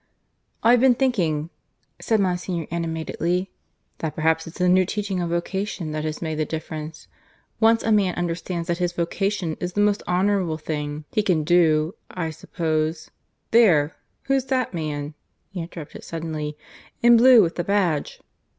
"I've been thinking," said Monsignor animatedly, "that perhaps it's the new teaching on Vocation that has made the difference. Once a man understands that his Vocation is the most honourable thing he can do, I suppose There! who's that man," he interrupted suddenly, "in blue with the badge?"